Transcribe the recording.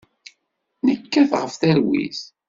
Nekkat ɣef talwit.